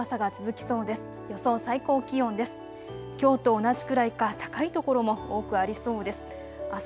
きょうと同じくらいか高い所も多くありそうです。